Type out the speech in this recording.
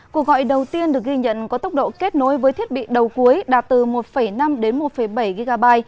cuộc gọi đầu tiên được ghi nhận có tốc độ kết nối với thiết bị đầu cuối đạt từ một năm đến một bảy gb